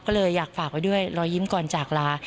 ก็เลยอยากฝากไว้ด้วยรอยยิ้มก่อนจากลา